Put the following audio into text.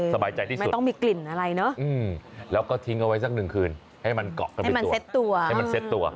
สบายใจที่สุดอืมแล้วก็ทิ้งเอาไว้สักนึงคืนให้มันเกาะกันไปตัวให้มันเซ็ตตัว